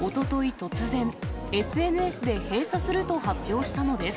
突然、ＳＮＳで閉鎖すると発表したのです。